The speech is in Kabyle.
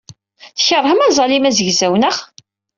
Tkeṛhem aẓalim azegzaw, naɣ?